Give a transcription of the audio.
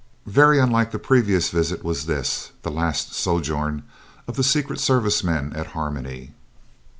Very unlike the previous visit was this, the last sojourn of the Secret Service men at Harmony.